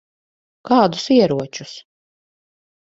Kādus ieročus?